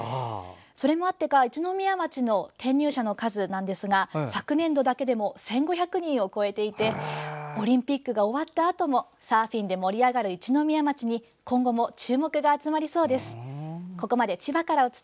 それもあってか一宮町の転入者の数ですが昨年度だけでも１５００人を超えていてオリンピックが終わったあともサーフィンで盛り上がる一宮町に今後も注目が集まりそうです。